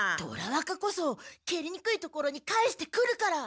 虎若こそけりにくいところに返してくるから！